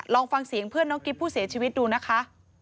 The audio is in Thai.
ลองฟังเสียงเพื่อนน้องกิ๊บผู้เสียชีวิตดูนะคะ